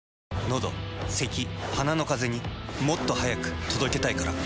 のどせき鼻のカゼにもっと速く届けたいから。